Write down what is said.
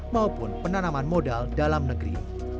maupun penanaman modal dalam negeri